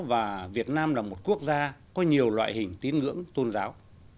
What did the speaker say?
và việt nam là một quốc gia có nhiều loại hình tín ngưỡng tôn giáo